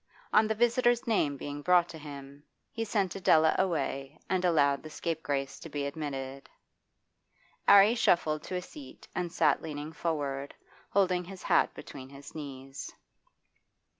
On the visitor's name being brought to him, he sent Adela away and allowed the scapegrace to be admitted. 'Arry shuffled to a seat and sat leaning forward, holding his hat between his knees.